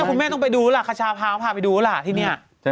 ไม่หมดม้าต้องไปดูแล้วขชาพาไปดูแล้วล่ะที่เนี้ย